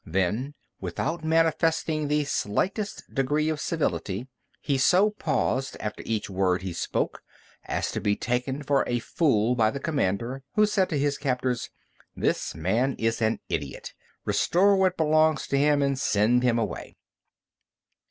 Then, without manifesting the slightest degree of civility, he so paused after each word he spoke as to be taken for a fool by the commander, who said to his captors, "This man is an idiot; restore what belongs to him and send him away."